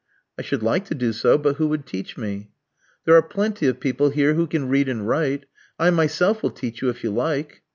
"I should like to do so, but who would teach me?" "There are plenty of people here who can read and write. I myself will teach you if you like."